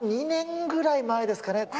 ２年ぐらい前ですかね。